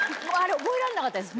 覚えられなかったです